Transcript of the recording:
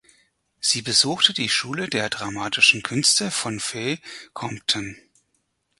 Sie besuchte die Schule der Dramatischen Künste von Fay Compton.